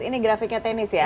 ini grafiknya tenis ya